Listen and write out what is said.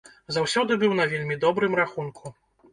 Заўсёды быў на вельмі добрым рахунку.